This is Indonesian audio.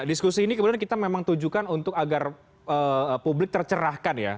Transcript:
diskusi ini kemudian kita memang tujukan untuk agar publik tercerahkan ya